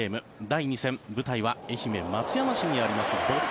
第２戦、舞台は愛媛・松山市にあります坊っ